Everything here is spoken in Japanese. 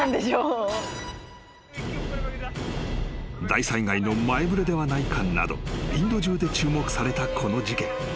［大災害の前触れではないかなどインド中で注目されたこの事件］